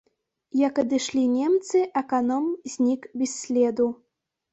Як адышлі немцы, аканом знік без следу.